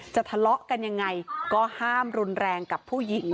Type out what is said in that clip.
ทะเลาะกันยังไงก็ห้ามรุนแรงกับผู้หญิง